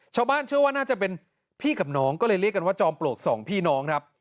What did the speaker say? ชาวบ้านเชื่อว่าน่าจะเป็นพี่กับน้องก็เลยเรียกกันว่าจอมปลวกสองพี่น้องครับ